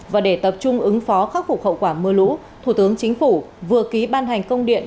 và để tập trung ứng phó khắc phục hậu quả mưa lũ thủ tướng chính phủ vừa ký ban hành công điện